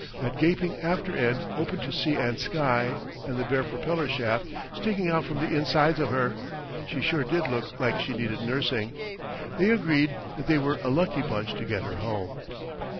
That gaping after end open to sea and sky, and the bare propeller shaft sticking out from the insides of her she sure did look like she needed nursing! They agreed that they were a lucky bunch to get her home.